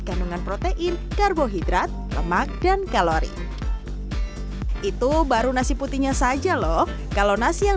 kandungan protein karbohidrat lemak dan kalori itu baru nasi putihnya saja loh kalau nasi yang